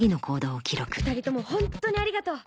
２人ともホントにありがとう！